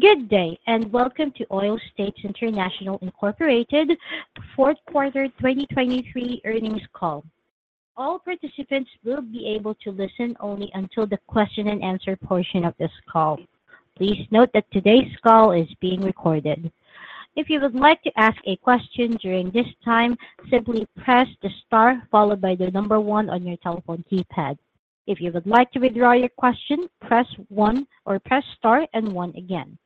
Good day and welcome to Oil States International Incorporated, fourth quarter 2023 earnings call. All participants will be able to listen only until the question-and-answer portion of this call. Please note that today's call is being recorded. If you would like to ask a question during this time, simply press the star followed by the number 1 on your telephone keypad. If you would like to withdraw your question, press 1 or press star and 1 again.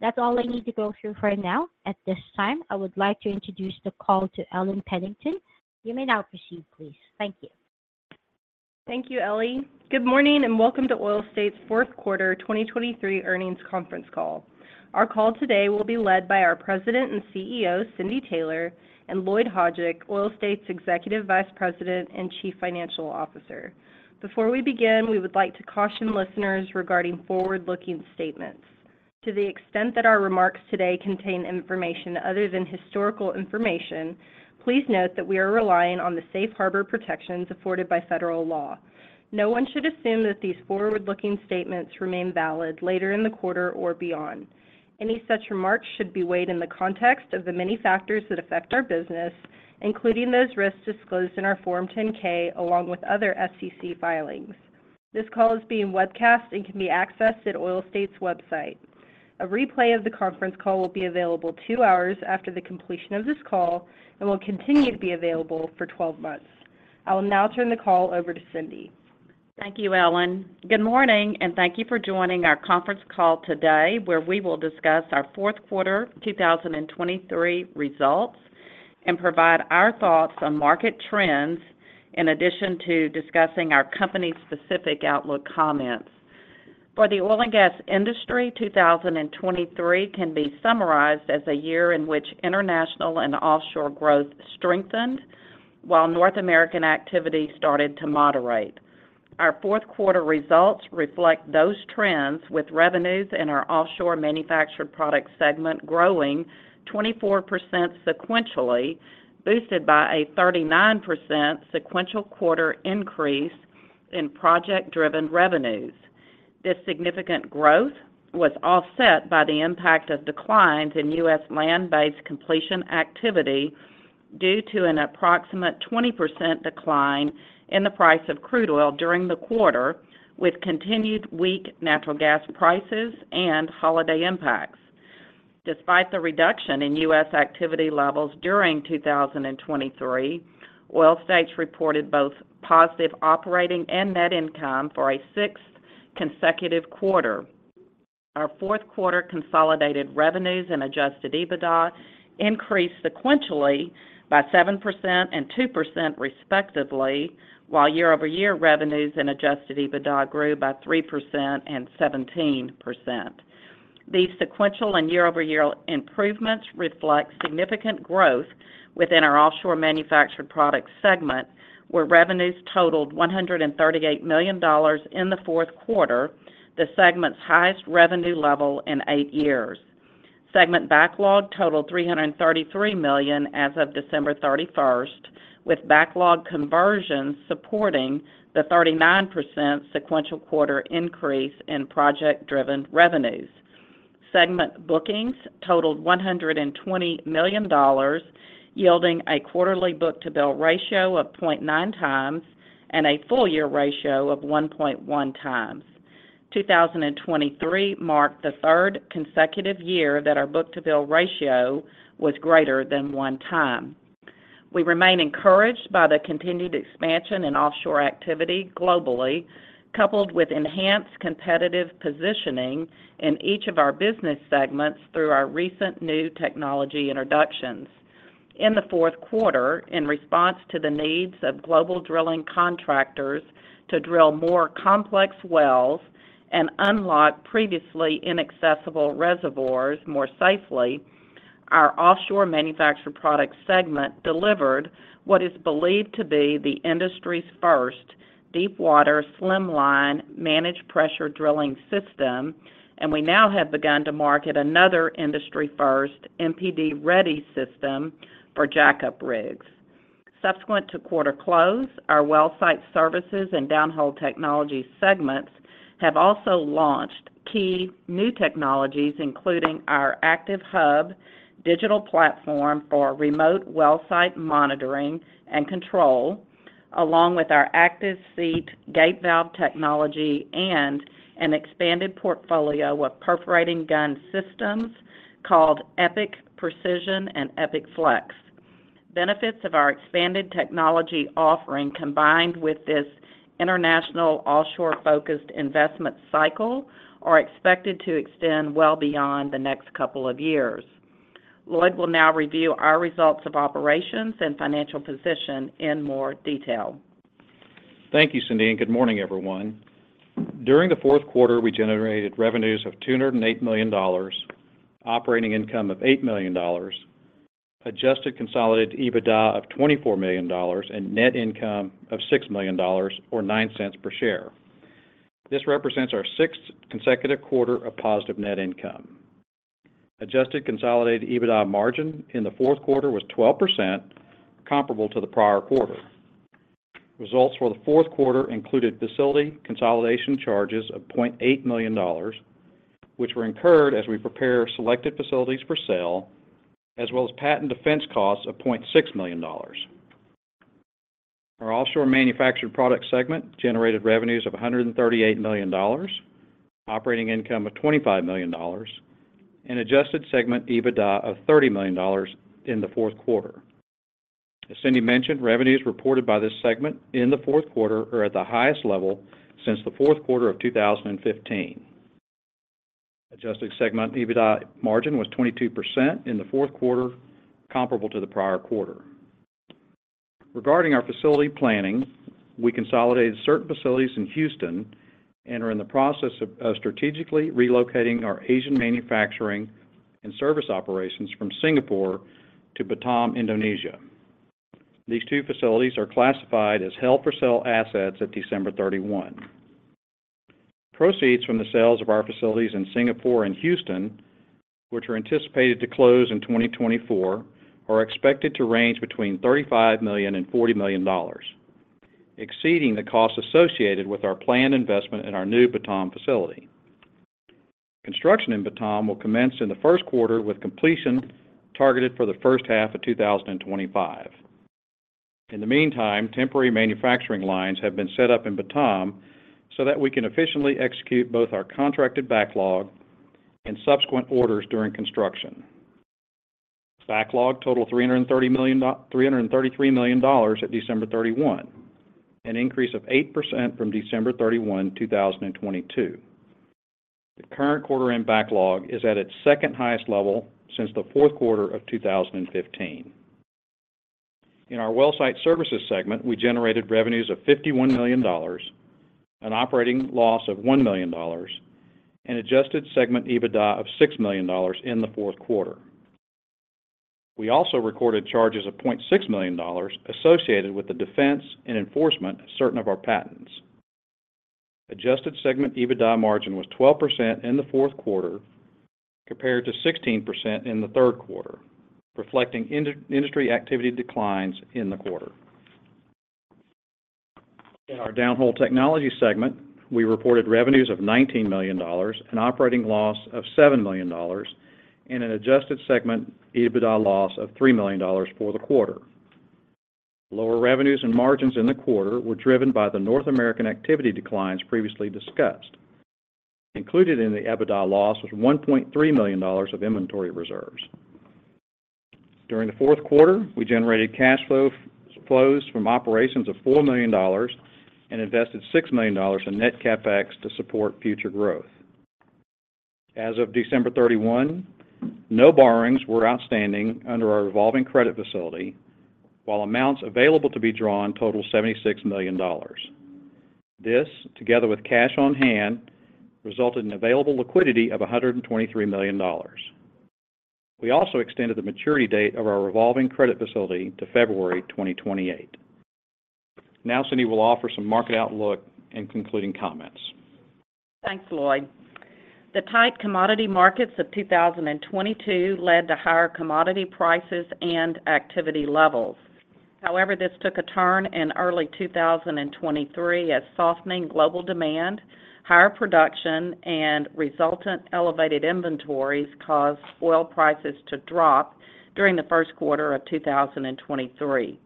That's all I need to go through for now. At this time, I would like to introduce the call to Ellen Pennington. You may now proceed, please. Thank you. Thank you, Ellie. Good morning and welcome to Oil States' fourth quarter 2023 earnings conference call. Our call today will be led by our President and CEO, Cindy Taylor, and Lloyd Hajdik, Oil States' Executive Vice President and Chief Financial Officer. Before we begin, we would like to caution listeners regarding forward-looking statements. To the extent that our remarks today contain information other than historical information, please note that we are relying on the safe harbor protections afforded by federal law. No one should assume that these forward-looking statements remain valid later in the quarter or beyond. Any such remarks should be weighed in the context of the many factors that affect our business, including those risks disclosed in our Form 10-K along with other SEC filings. This call is being webcast and can be accessed at Oil States' website. A replay of the conference call will be available two hours after the completion of this call and will continue to be available for 12 months. I will now turn the call over to Cindy. Thank you, Ellen. Good morning and thank you for joining our conference call today where we will discuss our fourth quarter 2023 results and provide our thoughts on market trends in addition to discussing our company-specific outlook comments. For the oil and gas industry, 2023 can be summarized as a year in which international and offshore growth strengthened while North American activity started to moderate. Our fourth quarter results reflect those trends with revenues in our Offshore Manufactured Products segment growing 24% sequentially, boosted by a 39% sequential quarter increase in project-driven revenues. This significant growth was offset by the impact of declines in U.S. land-based completion activity due to an approximate 20% decline in the price of crude oil during the quarter with continued weak natural gas prices and holiday impacts. Despite the reduction in U.S. activity levels during 2023, Oil States reported both positive operating and net income for a sixth consecutive quarter. Our fourth quarter consolidated revenues and adjusted EBITDA increased sequentially by 7% and 2% respectively, while year-over-year revenues and adjusted EBITDA grew by 3% and 17%. These sequential and year-over-year improvements reflect significant growth within our Offshore Manufactured Products segment where revenues totaled $138 million in the fourth quarter, the segment's highest revenue level in eight years. Segment backlog totaled $333 million as of December 31st, with backlog conversions supporting the 39% sequential quarter increase in project-driven revenues. Segment bookings totaled $120 million, yielding a quarterly book-to-bill ratio of 0.9 times and a full-year ratio of 1.1 times. 2023 marked the third consecutive year that our book-to-bill ratio was greater than one time. We remain encouraged by the continued expansion in offshore activity globally, coupled with enhanced competitive positioning in each of our business segments through our recent new technology introductions. In the fourth quarter, in response to the needs of global drilling contractors to drill more complex wells and unlock previously inaccessible reservoirs more safely, our Offshore Manufactured Products segment delivered what is believed to be the industry's first deepwater SlimLine Managed Pressure Drilling System, and we now have begun to market another industry-first MPD-ready system for jackup rigs. Subsequent to quarter close, our Wellsite Services and Downhole Technologies segments have also launched key new technologies including our ActiveHub digital platform for remote wellsite monitoring and control, along with our ActiveSeat gate valve technology and an expanded portfolio of perforating gun systems called EPIC Precision and EPIC Flex. Benefits of our expanded technology offering combined with this international offshore-focused investment cycle are expected to extend well beyond the next couple of years. Lloyd will now review our results of operations and financial position in more detail. Thank you, Cindy, and good morning, everyone. During the fourth quarter, we generated revenues of $208 million, operating income of $8 million, adjusted consolidated EBITDA of $24 million, and net income of $6 million or 9 cents per share. This represents our sixth consecutive quarter of positive net income. Adjusted consolidated EBITDA margin in the fourth quarter was 12%, comparable to the prior quarter. Results for the fourth quarter included facility consolidation charges of $0.8 million, which were incurred as we prepared selected facilities for sale, as well as patent defense costs of $0.6 million. Our Offshore Manufactured Products segment generated revenues of $138 million, operating income of $25 million, and adjusted segment EBITDA of $30 million in the fourth quarter. As Cindy mentioned, revenues reported by this segment in the fourth quarter are at the highest level since the fourth quarter of 2015. Adjusted segment EBITDA margin was 22% in the fourth quarter comparable to the prior quarter. Regarding our facility planning, we consolidated certain facilities in Houston and are in the process of strategically relocating our Asian manufacturing and service operations from Singapore to Batam, Indonesia. These two facilities are classified as held-for-sale assets at December 31. Proceeds from the sales of our facilities in Singapore and Houston, which are anticipated to close in 2024, are expected to range between $35 million and $40 million, exceeding the cost associated with our planned investment in our new Batam facility. Construction in Batam will commence in the first quarter with completion targeted for the first half of 2025. In the meantime, temporary manufacturing lines have been set up in Batam so that we can efficiently execute both our contracted backlog and subsequent orders during construction. Backlog totaled $333 million at December 31, an increase of 8% from December 31, 2022. The current quarter-end backlog is at its second highest level since the fourth quarter of 2015. In our Wellsite Services segment, we generated revenues of $51 million, an operating loss of $1 million, and adjusted segment EBITDA of $6 million in the fourth quarter. We also recorded charges of $0.6 million associated with the defense and enforcement of certain of our patents. Adjusted segment EBITDA margin was 12% in the fourth quarter compared to 16% in the third quarter, reflecting industry activity declines in the quarter. In our Downhole Technologies segment, we reported revenues of $19 million, an operating loss of $7 million, and an adjusted segment EBITDA loss of $3 million for the quarter. Lower revenues and margins in the quarter were driven by the North America activity declines previously discussed. Included in the EBITDA loss was $1.3 million of inventory reserves. During the fourth quarter, we generated cash flows from operations of $4 million and invested $6 million in net CapEx to support future growth. As of December 31, no borrowings were outstanding under our revolving credit facility, while amounts available to be drawn totaled $76 million. This, together with cash on hand, resulted in available liquidity of $123 million. We also extended the maturity date of our revolving credit facility to February 2028. Now, Cindy will offer some market outlook and concluding comments. Thanks, Lloyd. The tight commodity markets of 2022 led to higher commodity prices and activity levels. However, this took a turn in early 2023 as softening global demand, higher production, and resultant elevated inventories caused oil prices to drop during the first quarter of 2023.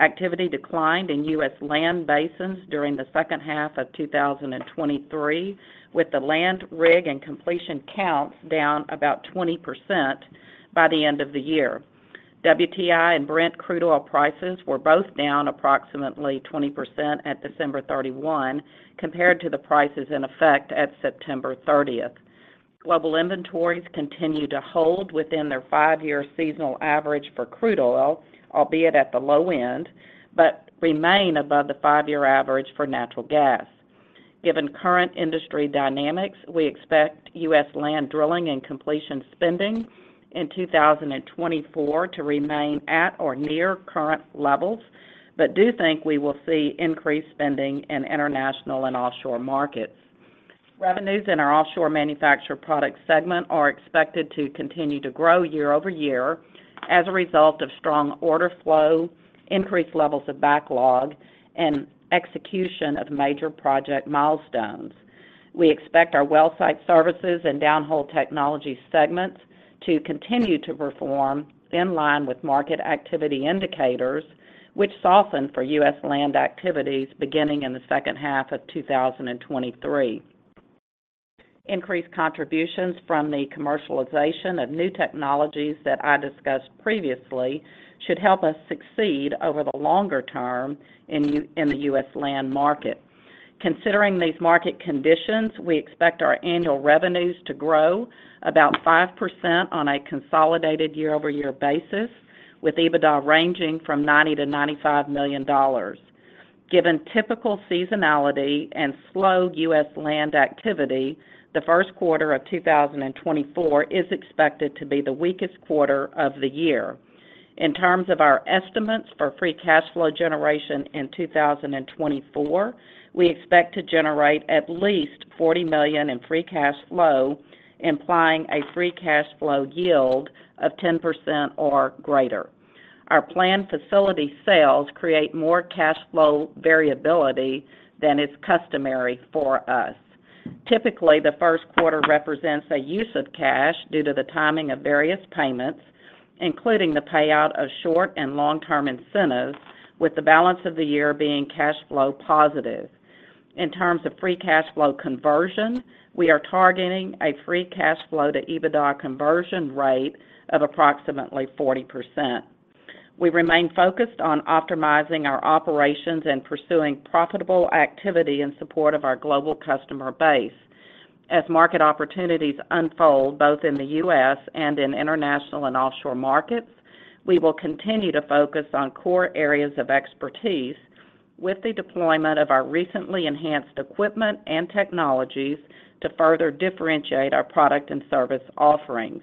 Activity declined in U.S. land basins during the second half of 2023, with the land rig and completion counts down about 20% by the end of the year. WTI and Brent crude oil prices were both down approximately 20% at December 31 compared to the prices in effect at September 30th. Global inventories continue to hold within their five-year seasonal average for crude oil, albeit at the low end, but remain above the five-year average for natural gas. Given current industry dynamics, we expect U.S. land drilling and completion spending in 2024 to remain at or near current levels, but do think we will see increased spending in international and offshore markets. Revenues in our offshore manufactured product segment are expected to continue to grow year-over-year as a result of strong order flow, increased levels of backlog, and execution of major project milestones. We expect our wellsite services and downhole technology segments to continue to perform in line with market activity indicators, which soften for U.S. land activities beginning in the second half of 2023. Increased contributions from the commercialization of new technologies that I discussed previously should help us succeed over the longer term in the U.S. land market. Considering these market conditions, we expect our annual revenues to grow about 5% on a consolidated year-over-year basis, with EBITDA ranging from $90-$95 million. Given typical seasonality and slow U.S. land activity, the first quarter of 2024 is expected to be the weakest quarter of the year. In terms of our estimates for free cash flow generation in 2024, we expect to generate at least $40 million in free cash flow, implying a free cash flow yield of 10% or greater. Our planned facility sales create more cash flow variability than is customary for us. Typically, the first quarter represents a use of cash due to the timing of various payments, including the payout of short and long-term incentives, with the balance of the year being cash flow positive. In terms of free cash flow conversion, we are targeting a free cash flow to EBITDA conversion rate of approximately 40%. We remain focused on optimizing our operations and pursuing profitable activity in support of our global customer base. As market opportunities unfold both in the U.S. In international and offshore markets, we will continue to focus on core areas of expertise with the deployment of our recently enhanced equipment and technologies to further differentiate our product and service offerings.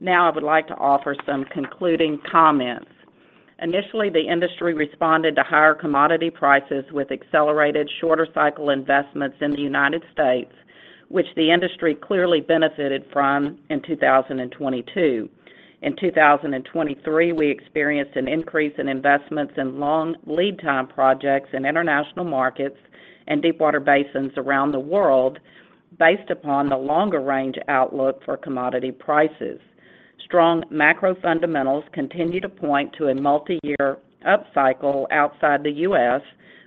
Now, I would like to offer some concluding comments. Initially, the industry responded to higher commodity prices with accelerated shorter-cycle investments in the United States, which the industry clearly benefited from in 2022. In 2023, we experienced an increase in investments in long lead-time projects in international markets and deep-water basins around the world based upon the longer-range outlook for commodity prices. Strong macro fundamentals continue to point to a multi-year upcycle outside the U.S.,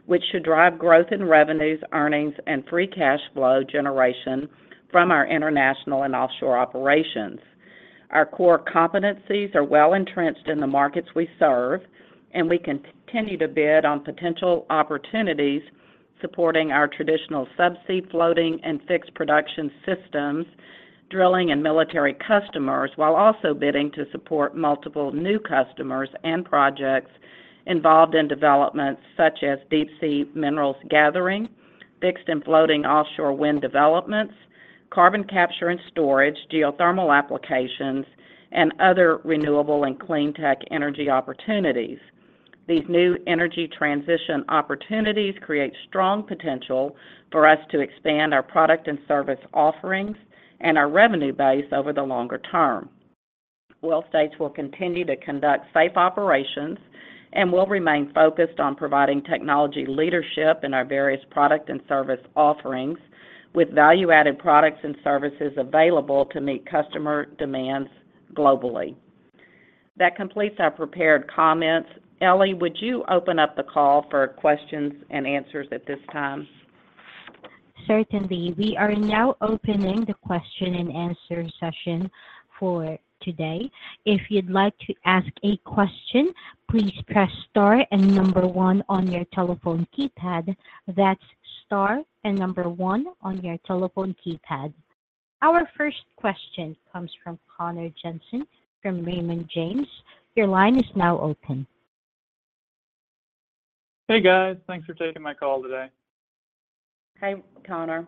which should drive growth in revenues, earnings, and free cash flow generation from our international and offshore operations. Our core competencies are well-entrenched in the markets we serve, and we continue to bid on potential opportunities supporting our traditional subsea floating and fixed production systems, drilling and military customers, while also bidding to support multiple new customers and projects involved in developments such as deep-sea minerals gathering, fixed and floating offshore wind developments, carbon capture and storage, geothermal applications, and other renewable and clean-tech energy opportunities. These new energy transition opportunities create strong potential for us to expand our product and service offerings and our revenue base over the longer term. Oil States will continue to conduct safe operations and will remain focused on providing technology leadership in our various product and service offerings with value-added products and services available to meet customer demands globally. That completes our prepared comments. Ellie, would you open up the call for questions and answers at this time? Sure, Cindy. We are now opening the question and answer session for today. If you'd like to ask a question, please press star and number one on your telephone keypad. That's star and number one on your telephone keypad. Our first question comes from Connor Jensen from Raymond James. Your line is now open. Hey, guys. Thanks for taking my call today. Hi, Connor.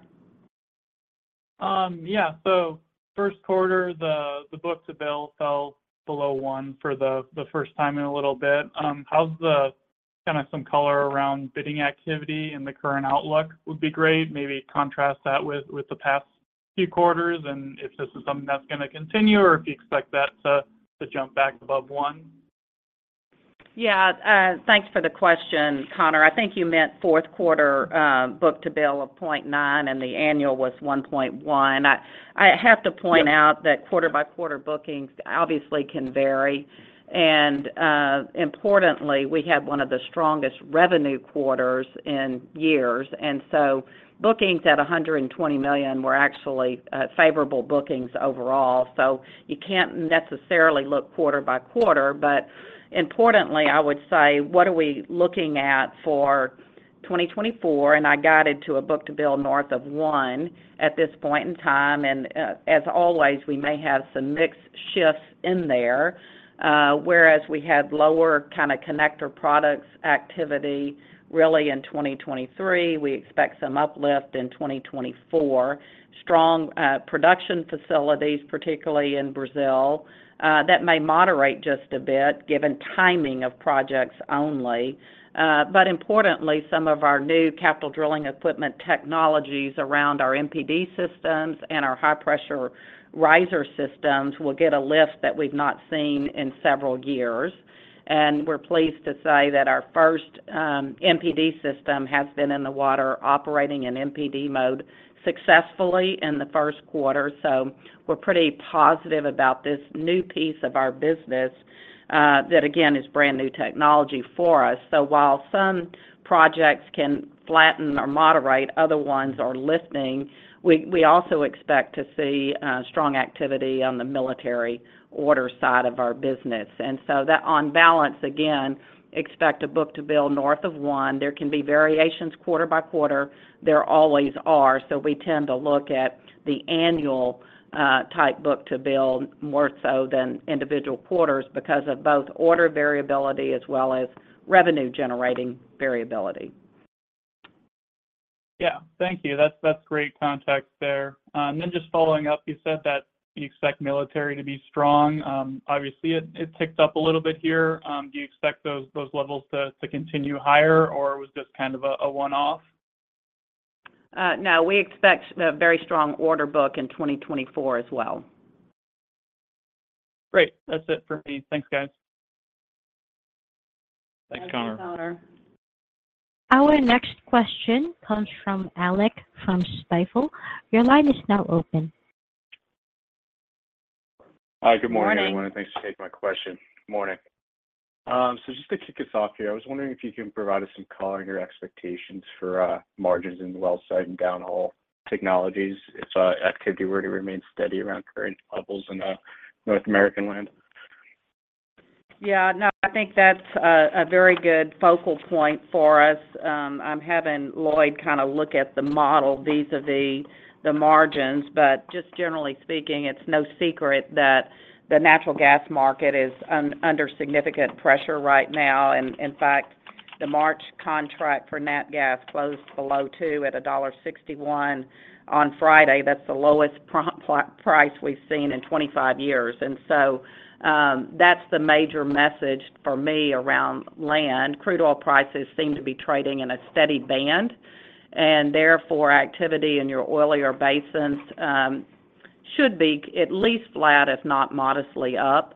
Yeah. So first quarter, the book-to-bill fell below one for the first time in a little bit. How's the kind of some color around bidding activity and the current outlook would be great. Maybe contrast that with the past few quarters and if this is something that's going to continue or if you expect that to jump back above one. Yeah. Thanks for the question, Conner. I think you meant fourth quarter book-to-bill of 0.9 and the annual was 1.1. I have to point out that quarter-by-quarter bookings obviously can vary. And importantly, we had one of the strongest revenue quarters in years. And so bookings at $120 million were actually favorable bookings overall. So you can't necessarily look quarter by quarter. But importantly, I would say, what are we looking at for 2024? And I guided to a book-to-bill north of 1 at this point in time. And as always, we may have some mixed shifts in there. Whereas we had lower kind of connector products activity really in 2023, we expect some uplift in 2024. Strong production facilities, particularly in Brazil, that may moderate just a bit given timing of projects only. But importantly, some of our new capital drilling equipment technologies around our MPD systems and our high-pressure riser systems will get a lift that we've not seen in several years. We're pleased to say that our first MPD system has been in the water operating in MPD mode successfully in the first quarter. So we're pretty positive about this new piece of our business that, again, is brand new technology for us. So while some projects can flatten or moderate, other ones are lifting. We also expect to see strong activity on the military order side of our business. And so on balance, again, expect a book to bill north of one. There can be variations quarter by quarter. There always are. So we tend to look at the annual type book to bill more so than individual quarters because of both order variability as well as revenue-generating variability. Yeah. Thank you. That's great context there. And then just following up, you said that you expect military to be strong. Obviously, it ticked up a little bit here. Do you expect those levels to continue higher, or was this kind of a one-off? No. We expect a very strong order book in 2024 as well. Great. That's it for me. Thanks, guys. Thanks, Connor. Thanks, Connor. Our next question comes from Alec from Stifel. Your line is now open. Hi. Good morning, everyone. Thanks for taking my question. Morning. So just to kick us off here, I was wondering if you can provide us some color or expectations for margins in wellsite and Downhole Technologies if activity were to remain steady around current levels in North American land. Yeah. No. I think that's a very good focal point for us. I'm having Lloyd kind of look at the model vis-à-vis the margins. But just generally speaking, it's no secret that the natural gas market nat gas closed below 2 at $1.61 on Friday. That's the lowest price we've seen in 25 years. And so that's the major message for me around land. Crude oil prices seem to be trading in a steady band. And therefore, activity in your oilier basins should be at least flat, if not modestly up,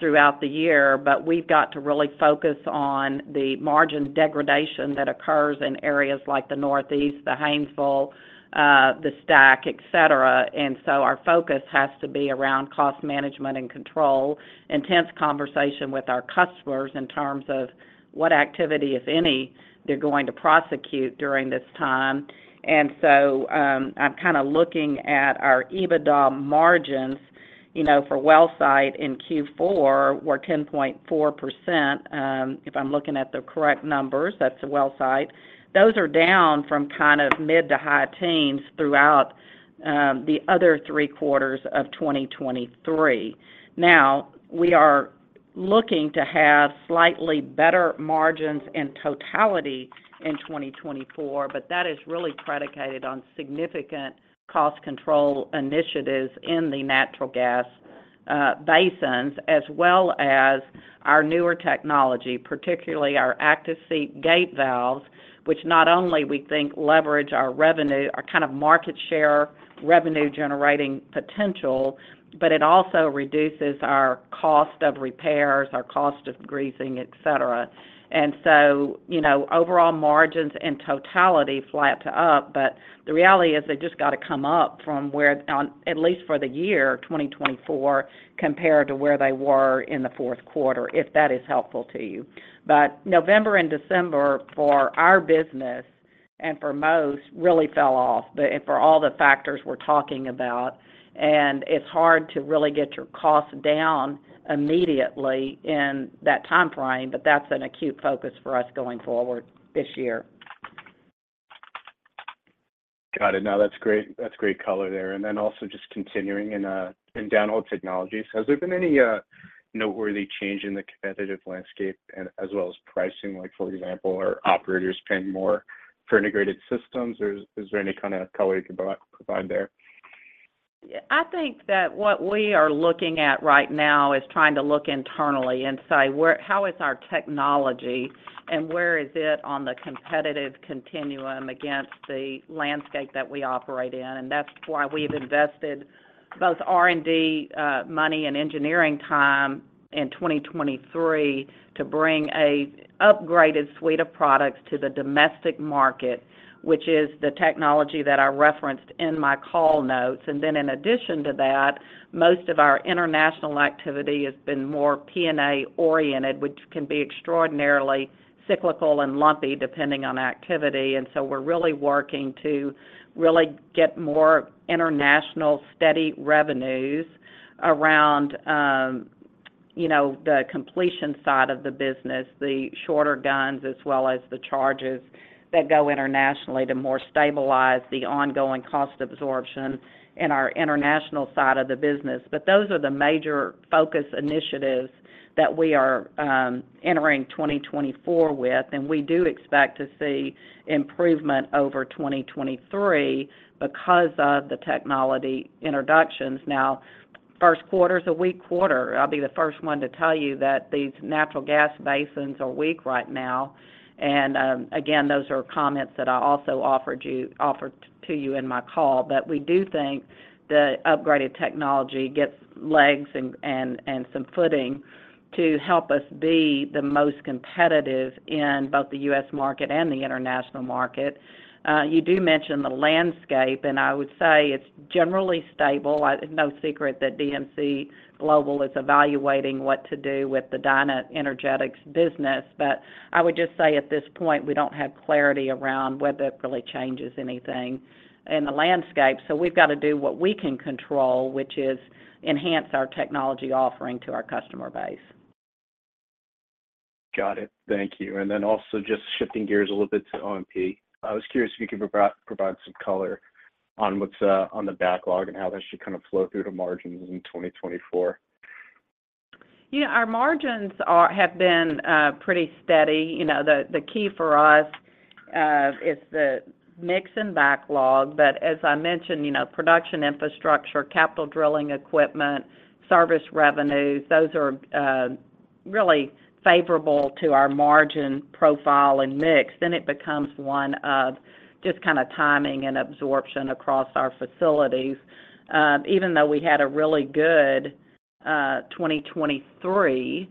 throughout the year. But we've got to really focus on the margin degradation that occurs in areas like the Northeast, the Haynesville, the STACK, etc. So our focus has to be around cost management and control, intense conversation with our customers in terms of what activity, if any, they're going to prosecute during this time. So I'm kind of looking at our EBITDA margins for wellsite in Q4 were 10.4%. If I'm looking at the correct numbers, that's a wellsite. Those are down from kind of mid- to high teens throughout the other three quarters of 2023. Now, we are looking to have slightly better margins in totality in 2024, but that is really predicated on significant cost control initiatives in the natural gas basins as well as our newer technology, particularly our ActiveSeat gate valves, which not only we think leverage our kind of market share revenue-generating potential, but it also reduces our cost of repairs, our cost of greasing, etc. And so overall margins in totality flat to up, but the reality is they just got to come up from where, at least for the year 2024, compared to where they were in the fourth quarter, if that is helpful to you. But November and December for our business and for most really fell off for all the factors we're talking about. And it's hard to really get your costs down immediately in that timeframe, but that's an acute focus for us going forward this year. Got it. No. That's great color there. And then also just continuing in Downhole Technologies, has there been any noteworthy change in the competitive landscape as well as pricing? For example, are operators paying more for integrated systems? Is there any kind of color you can provide there? I think that what we are looking at right now is trying to look internally and say, how is our technology, and where is it on the competitive continuum against the landscape that we operate in? And that's why we've invested both R&D money and engineering time in 2023 to bring an upgraded suite of products to the domestic market, which is the technology that I referenced in my call notes. And then in addition to that, most of our international activity has been more P&A-oriented, which can be extraordinarily cyclical and lumpy depending on activity. And so we're really working to really get more international steady revenues around the completion side of the business, the shorter guns as well as the charges that go internationally to more stabilize the ongoing cost absorption in our international side of the business. But those are the major focus initiatives that we are entering 2024 with. We do expect to see improvement over 2023 because of the technology introductions. Now, first quarter is a weak quarter. I'll be the first one to tell you that these natural gas basins are weak right now. And again, those are comments that I also offered to you in my call. But we do think the upgraded technology gets legs and some footing to help us be the most competitive in both the U.S. market and the international market. You do mention the landscape, and I would say it's generally stable. No secret that DMC Global is evaluating what to do with the DynaEnergetics business. But I would just say at this point, we don't have clarity around whether it really changes anything in the landscape. We've got to do what we can control, which is enhance our technology offering to our customer base. Got it. Thank you. And then also just shifting gears a little bit to OMP, I was curious if you could provide some color on what's on the backlog and how that should kind of flow through to margins in 2024? Our margins have been pretty steady. The key for us is the mix and backlog. But as I mentioned, production infrastructure, capital drilling equipment, service revenues, those are really favorable to our margin profile and mix. Then it becomes one of just kind of timing and absorption across our facilities. Even though we had a really good 2023,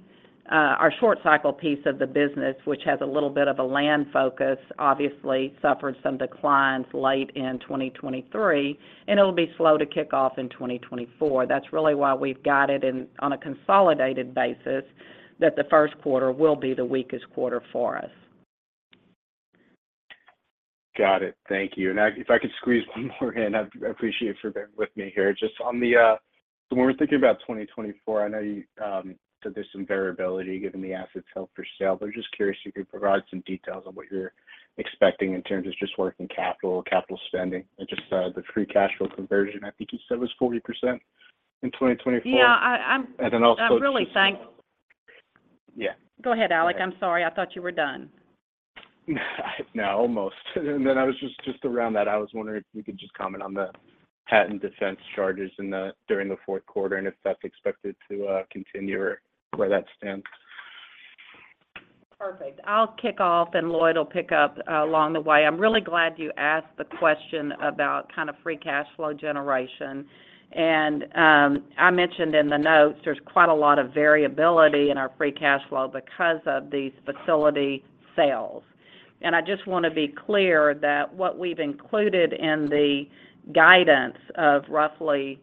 our short-cycle piece of the business, which has a little bit of a land focus, obviously suffered some declines late in 2023. And it'll be slow to kick off in 2024. That's really why we've guided on a consolidated basis that the first quarter will be the weakest quarter for us. Got it. Thank you. And if I could squeeze one more in, I appreciate you for being with me here. Just when we're thinking about 2024, I know you said there's some variability given the assets held for sale. But I'm just curious if you could provide some details on what you're expecting in terms of just working capital, capital spending, and just the free cash flow conversion. I think you said it was 40% in 2024. Yeah. I'm really. And then also just. Yeah. Go ahead, Alec. I'm sorry. I thought you were done. No. Almost. And then I was just around that. I was wondering if you could just comment on the patent defense charges during the fourth quarter and if that's expected to continue or where that stands. Perfect. I'll kick off, and Lloyd will pick up along the way. I'm really glad you asked the question about kind of free cash flow generation. I mentioned in the notes there's quite a lot of variability in our free cash flow because of these facility sales. I just want to be clear that what we've included in the guidance of roughly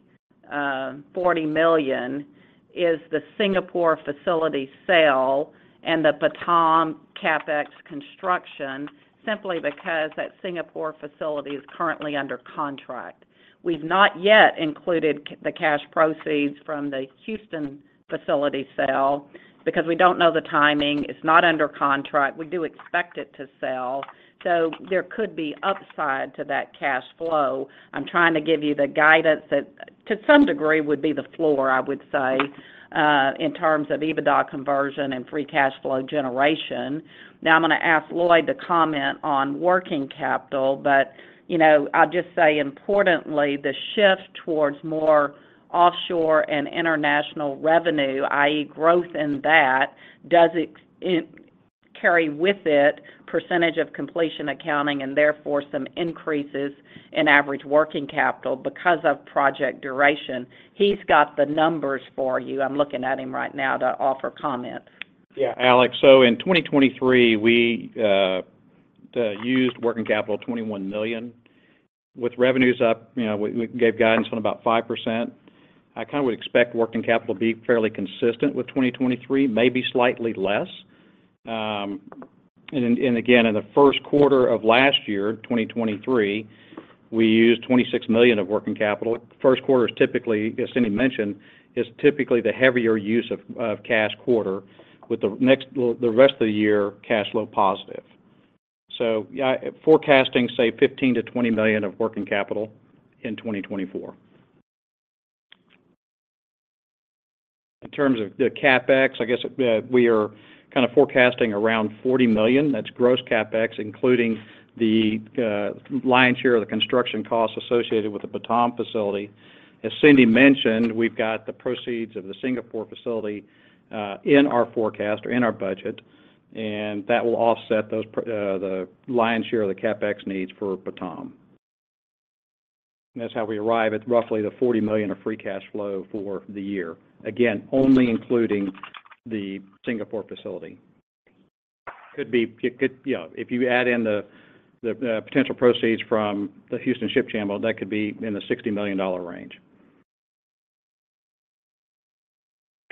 $40 million is the Singapore facility sale and the Batam CapEx construction simply because that Singapore facility is currently under contract. We've not yet included the cash proceeds from the Houston facility sale because we don't know the timing. It's not under contract. We do expect it to sell. So there could be upside to that cash flow. I'm trying to give you the guidance that to some degree would be the floor, I would say, in terms of EBITDA conversion and free cash flow generation. Now, I'm going to ask Lloyd to comment on working capital. But I'll just say, importantly, the shift towards more offshore and international revenue, i.e., growth in that, does carry with it a percentage of completion accounting and therefore some increases in average working capital because of project duration. He's got the numbers for you. I'm looking at him right now to offer comments. Yeah. Alec, so in 2023, we used working capital $21 million. With revenues up, we gave guidance on about 5%. I kind of would expect working capital to be fairly consistent with 2023, maybe slightly less. And again, in the first quarter of last year, 2023, we used $26 million of working capital. First quarter is typically, as Cindy mentioned, is typically the heavier use of cash quarter with the rest of the year cash flow positive. So forecasting, say, $15 million-$20 million of working capital in 2024. In terms of the CapEx, I guess we are kind of forecasting around $40 million. That's gross CapEx, including the lion's share of the construction costs associated with the Batam facility. As Cindy mentioned, we've got the proceeds of the Singapore facility in our forecast or in our budget. And that will offset the lion's share of the CapEx needs for Batam. And that's how we arrive at roughly $40 million of free cash flow for the year, again, only including the Singapore facility. Yeah. If you add in the potential proceeds from the Houston Ship Channel, that could be in the $60 million range.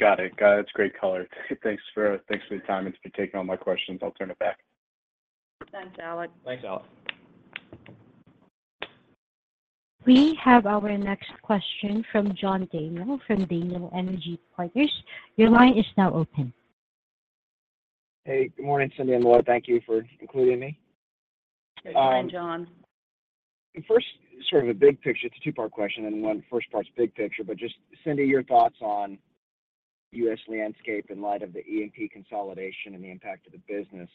Got it. Got it. That's great color. Thanks for your time and for taking all my questions. I'll turn it back. Thanks, Alec. Thanks, Alec. We have our next question from John Daniel from Daniel Energy Partners. Your line is now open. Hey. Good morning, Cindy and Lloyd. Thank you for including me. Hey. Good morning, John. First, sort of a big picture. It's a two-part question, and the first part's big picture. But just, Cindy, your thoughts on U.S. landscape in light of the E&P consolidation and the impact of the business.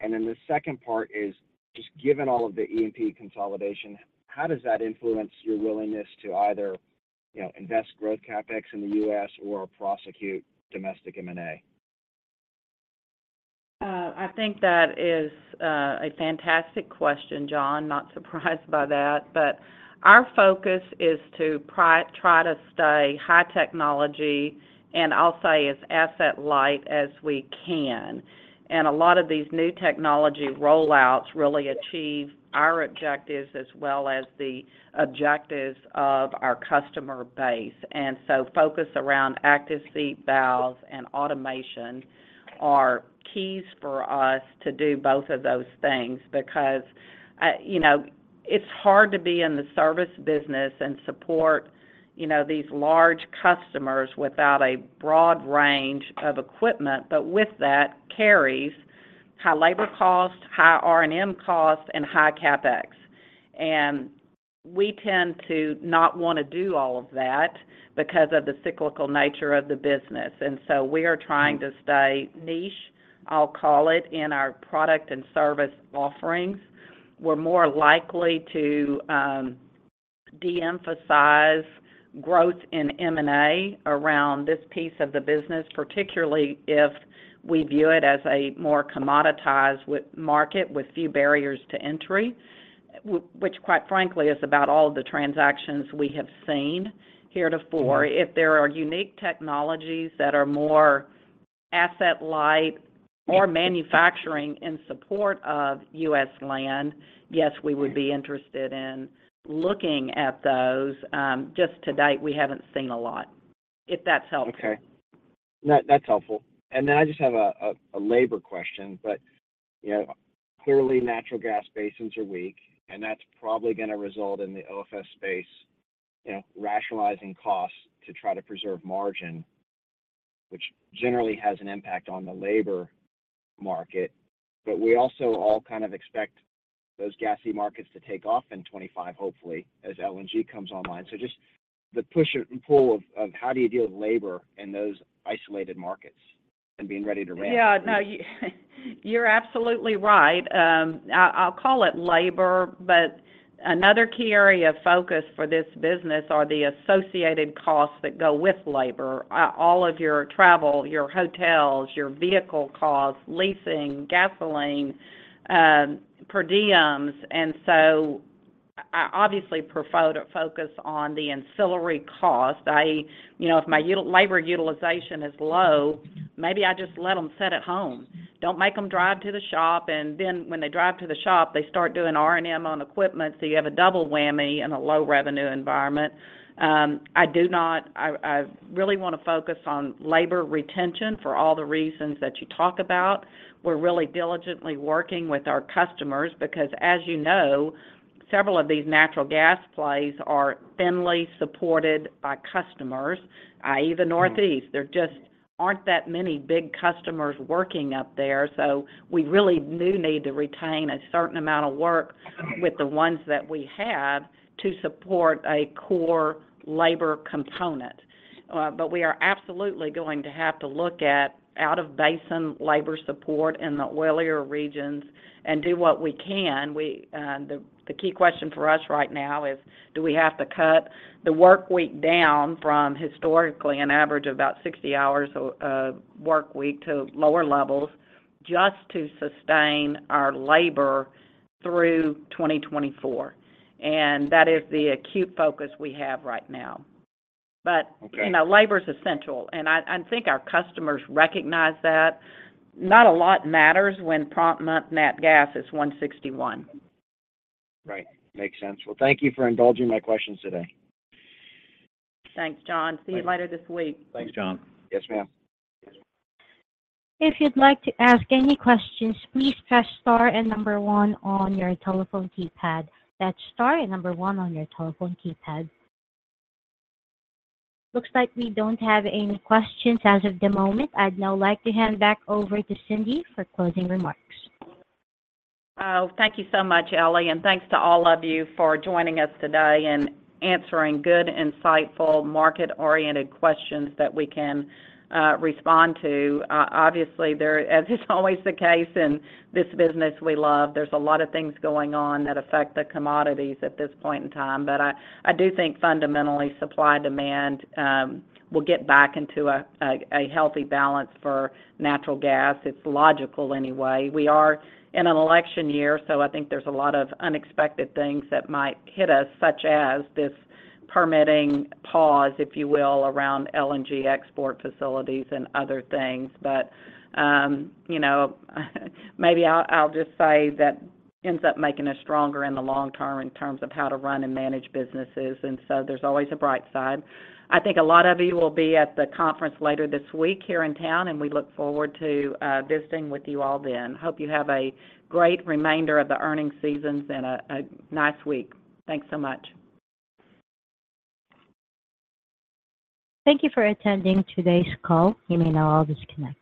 And then the second part is just given all of the E&P consolidation, how does that influence your willingness to either invest growth CapEx in the U.S. or prosecute domestic M&A? I think that is a fantastic question, John. Not surprised by that. But our focus is to try to stay high technology and, I'll say, as asset-light as we can. And a lot of these new technology rollouts really achieve our objectives as well as the objectives of our customer base. And so focus around ActiveSeat valves and automation are keys for us to do both of those things because it's hard to be in the service business and support these large customers without a broad range of equipment. But with that carries high labor cost, high R&M cost, and high CapEx. And we tend to not want to do all of that because of the cyclical nature of the business. And so we are trying to stay niche, I'll call it, in our product and service offerings. We're more likely to de-emphasize growth in M&A around this piece of the business, particularly if we view it as a more commoditized market with few barriers to entry, which, quite frankly, is about all of the transactions we have seen heretofore. If there are unique technologies that are more asset-light or manufacturing in support of U.S. land, yes, we would be interested in looking at those. Just to date, we haven't seen a lot, if that's helpful. Okay. That's helpful. And then I just have a labor question. But clearly, natural gas basins are weak, and that's probably going to result in the OFS space rationalizing costs to try to preserve margin, which generally has an impact on the labor market. But we also all kind of expect those gassy markets to take off in 2025, hopefully, as LNG comes online. So just the push and pull of how do you deal with labor in those isolated markets and being ready to ramp? Yeah. No. You're absolutely right. I'll call it labor, but another key area of focus for this business are the associated costs that go with labor: all of your travel, your hotels, your vehicle costs, leasing, gasoline, per diems. And so I obviously prefer to focus on the ancillary cost. If my labor utilization is low, maybe I just let them sit at home. Don't make them drive to the shop. And then when they drive to the shop, they start doing R&M on equipment. So you have a double whammy in a low-revenue environment. I really want to focus on labor retention for all the reasons that you talk about. We're really diligently working with our customers because, as you know, several of these natural gas plays are thinly supported by customers, i.e., the Northeast. There just aren't that many big customers working up there. We really do need to retain a certain amount of work with the ones that we have to support a core labor component. We are absolutely going to have to look at out-of-basin labor support in the oilier regions and do what we can. The key question for us right now is, do we have to cut the workweek down from historically an average of about 60 hours of workweek to lower levels just to sustain our labor through 2024? That is the acute focus we have right now. Labor is essential, and I think our customers recognize that. Not a lot matters when prompt month nat gas is $1.61. Right. Makes sense. Well, thank you for indulging my questions today. Thanks, John. See you later this week. Thanks, John. Yes, ma'am. If you'd like to ask any questions, please press star and 1 on your telephone keypad. That's star and 1 on your telephone keypad. Looks like we don't have any questions as of the moment. I'd now like to hand back over to Cindy for closing remarks. Thank you so much, Ellie. Thanks to all of you for joining us today and answering good, insightful, market-oriented questions that we can respond to. Obviously, as is always the case in this business we love, there's a lot of things going on that affect the commodities at this point in time. I do think fundamentally, supply-demand will get back into a healthy balance for natural gas. It's logical anyway. We are in an election year, so I think there's a lot of unexpected things that might hit us, such as this permitting pause, if you will, around LNG export facilities and other things. Maybe I'll just say that ends up making us stronger in the long term in terms of how to run and manage businesses. So there's always a bright side. I think a lot of you will be at the conference later this week here in town, and we look forward to visiting with you all then. Hope you have a great remainder of the earnings seasons and a nice week. Thanks so much. Thank you for attending today's call. You may now all disconnect.